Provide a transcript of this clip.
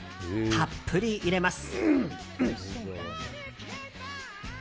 たっぷり入れます。